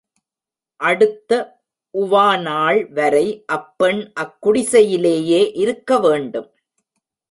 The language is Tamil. அடுத்த உவாநாள் வரை அப் பெண் அக்குடிசையிலேயே இருக்கவேண்டும்.